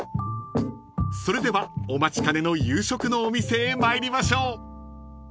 ［それではお待ちかねの夕食のお店へ参りましょう］